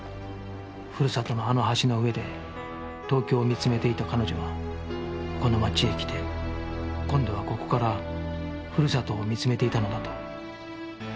古里のあの橋の上で東京を見つめていた彼女はこの街へ来て今度はここから古里を見つめていたのだと